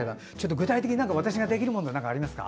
具体的に私ができること何かありますか？